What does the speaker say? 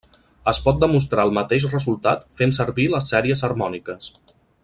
Es pot demostrar el mateix resultat fent servir les sèries harmòniques.